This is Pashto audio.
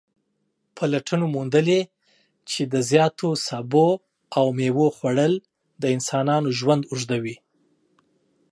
پلټنو موندلې چې د زیاتو سبو او میوو خوړل د انسانانو ژوند اوږدوي